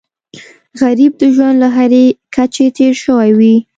غریب د ژوند له هرې کچې تېر شوی وي